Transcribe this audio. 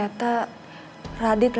aku udah tijd secara sabar udah badlandser